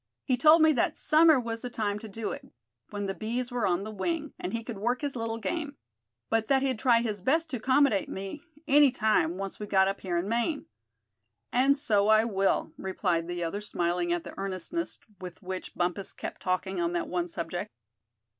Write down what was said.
He told me that summer was the time to do it, when the bees were on the wing, and he could work his little game; but that he'd try his best to 'commodate me any time, once we got up here in Maine." "And so I will," replied the other, smiling at the earnestness with which Bumpus kept talking on that one subject.